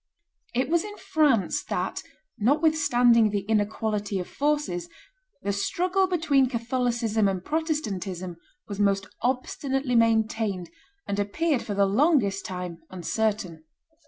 It was in France that, notwithstanding the inequality of forces, the struggle between Catholicism and Protestantism was most obstinately maintained, and appeared for the longest time uncertain.